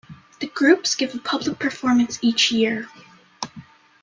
The groups give a public performance each year.